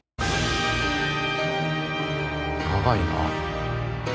長いな。